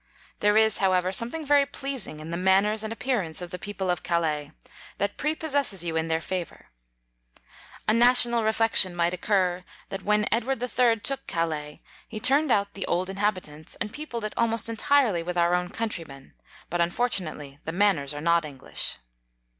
There is, however, something very pleasing in the man ners and appearance of the people of Calais, that prepossesses you in their favour. A national reflection might occur, that when Edward III. took Calais, he turned out the old inhabi tants, and peopled it almost entirely with our own countrymen; but un fortunately the manners are not En glish.